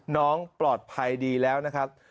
น้องปลอดภัยดีแล้วนะครับ